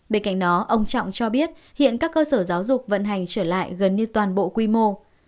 bên cạnh đó ông trọng cho biết hiện các cơ sở giáo dục vận hành trở lại gần như toàn bộ quy mô